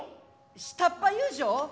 下っ端遊女？